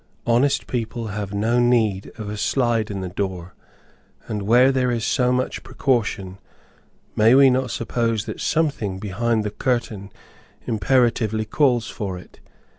Honest people have no need of a slide in the door, and where there is so much precaution, may we not suppose that something behind the curtain imperatively calls for it?